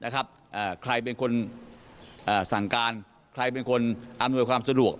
ใครเป็นคนสั่งการใครเป็นคนอำนวยความสะดวก